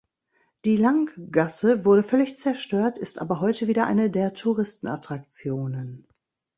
Die Langgasse wurde völlig zerstört, ist aber heute wieder eine der Touristenattraktionen.